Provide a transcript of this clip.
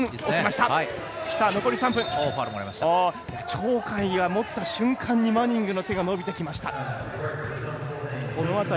鳥海が持った瞬間にマニングの手が伸びてきました。